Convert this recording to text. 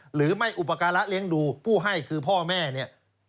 หรือไม่อุปการะเลี้ยงดูผู้ให้คือพ่อแม่เนี่ย